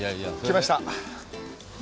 来ました。